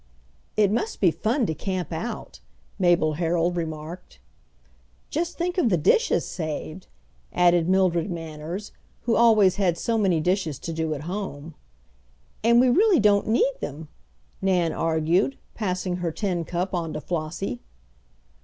"It must be fun to camp out," Mabel Herold remarked. "Yes, just think of the dishes saved," added Mildred Manners, who always had so many dishes to do at home. "And we really don't need them," Nan argued, passing her tin cup on to Flossie.